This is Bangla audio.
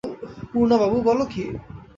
পূর্ণবাবু, বল কী?